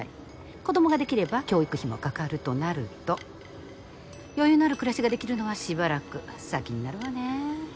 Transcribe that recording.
子供ができれば教育費もかかるとなると余裕のある暮らしができるのはしばらく先になるわねぇ。